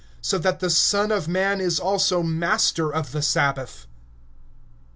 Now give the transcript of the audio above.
(28)So that the Son of man is Lord also of the sabbath.